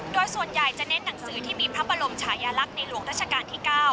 โดยส่วนใหญ่จะเน้นหนังสือที่มีพระบรมชายลักษณ์ในหลวงราชการที่๙